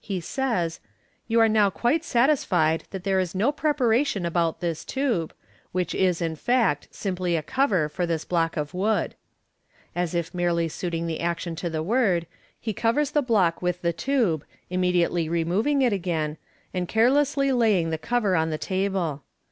he says, "You are now quite satisfied that there is no preparation about this tube, which is, in fact, simply a cover for this block of wood" As if merely suiting the action to the word, he covers tht olock with the tube, immediately removing it again, and carelessly laying the cover on the table.